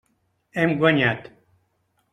Hem guanyat!